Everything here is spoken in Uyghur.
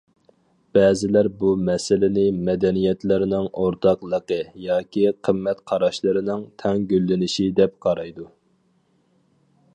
بەزىلەر بۇ مەسىلىنى مەدەنىيەتلەرنىڭ ئورتاقلىقى ياكى قىممەت قاراشلىرىنىڭ تەڭ گۈللىنىشى دەپ قارايدۇ.